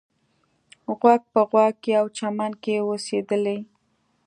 غوږ په غوږ یوه چمن کې اوسېدلې.